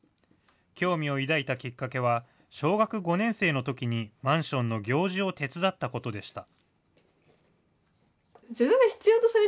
興味を抱いたきっかけは、小学５年生のときにマンションの行事を手伝ったことでした。